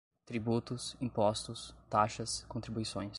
tributos, impostos, taxas, contribuições